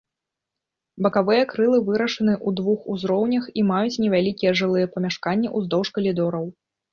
Бакавыя крылы вырашаныя ў двух узроўнях і маюць невялікія жылыя памяшканні ўздоўж калідораў.